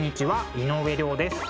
井上涼です。